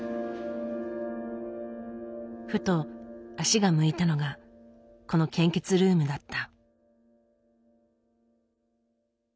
ふと足が向いたのがこの献血ルームだった。